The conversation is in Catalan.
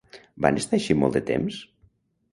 Van estar així molt de temps?